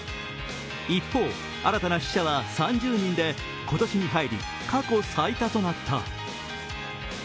一方、新たな死者は３０人で今年に入り過去最多となった。